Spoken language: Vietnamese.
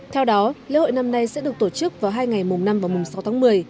theo đó lễ hội năm nay sẽ được tổ chức vào hai ngày mùng năm và mùng sáu tháng một mươi